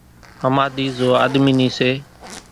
ۿماۮِي زو آۮمي نِي سي